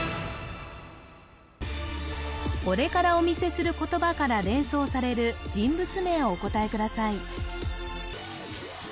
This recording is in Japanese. これからお見せする言葉から連想される人物名をお答えください